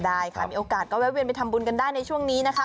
ได้ค่ะมีโอกาสก็แวะเวียนไปทำบุญกันได้ในช่วงนี้นะคะ